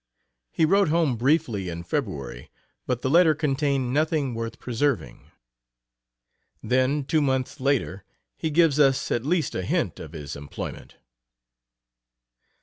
He wrote home briefly in February, but the letter contained nothing worth preserving. Then two months later he gives us at least a hint of his employment.